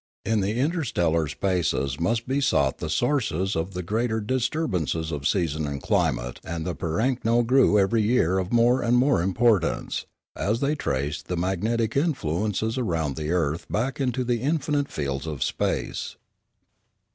In the interstellar spaces must be sought the sources of the greater disturbances of season and climate and the pirakno grew every year of more and more importance, as they traced the magnetic influences around the earth back into the infinite fields of space.